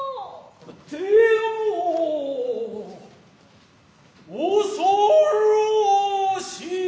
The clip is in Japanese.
ても恐ろしい。